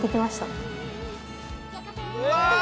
うわ！